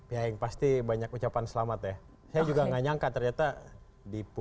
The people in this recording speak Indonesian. ya yang pasti banyak ucapan selamat ya saya juga nggak nyangka ternyata di ppr